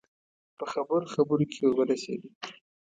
په خبرو خبرو کې ور ورسېدو.